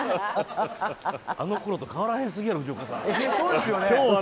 あのころと変わらへんすぎやろ、藤岡さん。